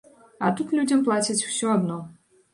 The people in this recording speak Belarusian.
А тут людзям плацяць усё адно.